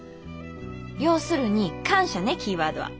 要するに感謝ねキーワードは。